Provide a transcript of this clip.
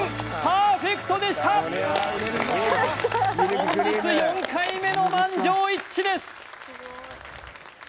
本日４回目の満場一致です